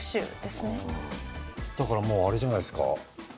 だからもうあれじゃないすか。